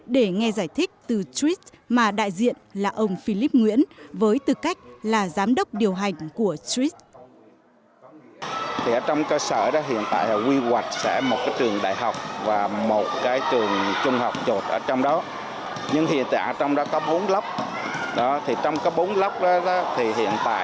để nghe giải thích từ swis mà đại diện là ông philip nguyễn với tư cách là giám đốc điều hành của swis